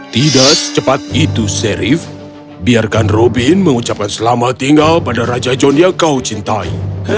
tidak secepat itu sherif biarkan robin mengucapkan selamat tinggal pada raja john yang kau cintai